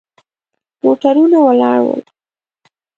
موټرونه ولاړ ول.